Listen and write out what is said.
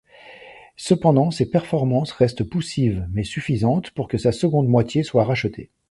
Cependant ses performances restent poussives mais suffisantes pour que sa seconde moitié soit rachetée.